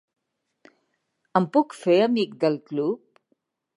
Em puc fer amic del club?